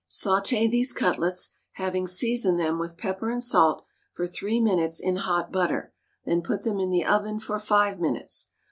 Sauté these cutlets, having seasoned them with pepper and salt, for three minutes in hot butter, then put them in the oven for five minutes.